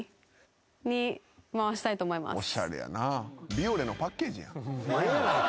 ビオレのパッケージやん。